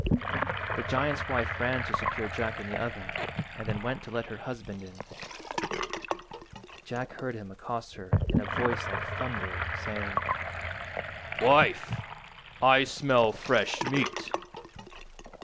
The giant's wife ran to secure Jack in the oven and then went to let her husband in. Jack heard him accost her in a voice like thunder, saying— "Wife, I smell fresh meat."